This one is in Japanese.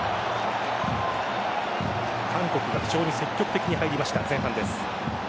韓国が非常に積極的に入りました前半です。